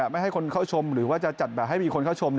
ไม่ให้คนเข้าชมหรือว่าจะจัดแบบให้มีคนเข้าชม